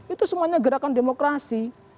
itu semuanya gerakan demokrasi